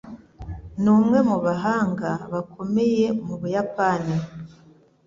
Ni umwe mu bahanga bakomeye mu Buyapani.